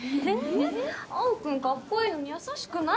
青君カッコいいのに優しくない。